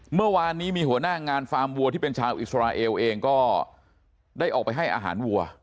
เมื่อวานนี้มีหัวหน้างานฟาร์มวัวที่เป็นชาวอิสราเอลเองก็ได้ออกไปให้อาหารวัว